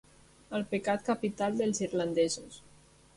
El pecat capital dels irlandesos.